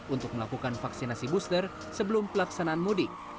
untuk melakukan vaksinasi booster sebelum pelaksanaan mudik